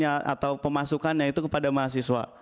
atau pemasukannya itu kepada mahasiswa